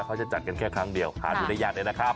เขาจะจัดกันแค่ครั้งเดียวหาดูได้ยากเลยนะครับ